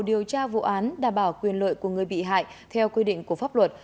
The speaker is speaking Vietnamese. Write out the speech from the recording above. điều tra vụ án đảm bảo quyền lợi của người bị hại theo quy định của pháp luật